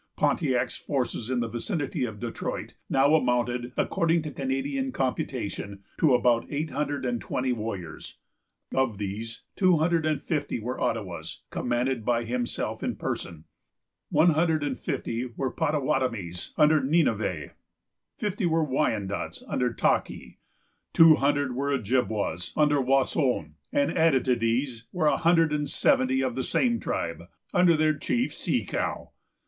Pontiac's forces in the vicinity of Detroit now amounted, according to Canadian computation, to about eight hundred and twenty warriors. Of these, two hundred and fifty were Ottawas, commanded by himself in person; one hundred and fifty were Pottawattamies, under Ninivay; fifty were Wyandots, under Takee; two hundred were Ojibwas, under Wasson; and added to these were a hundred and seventy of the same tribe, under their chief, Sekahos.